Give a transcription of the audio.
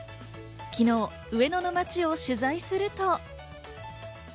昨日、上野の街を取材すると。